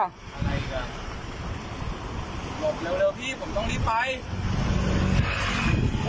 อะไรอีกอ่ะเร็วพี่ผมต้องรีบไป